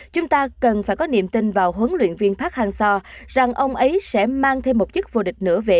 chúng ta cần phải có niềm tin vào huấn luyện viên phát hang seo rằng ông ấy sẽ mang thêm một chức vô địch nửa vệ